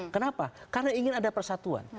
kenapa karena ingin ada persatuan